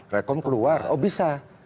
recom keluar oh bisa